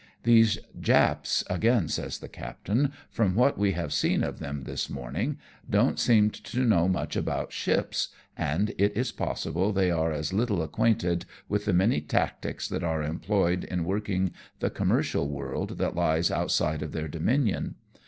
" These Japs," again says the captain, " from what we have seen of them this morning, don't seem to THE JAPANESE COME TO LUNCHEON. 139 know much about ships, and it is possible they are as little acquainted, with the man)' tactics that are employed in working the commercial world that lies outside of their dominion.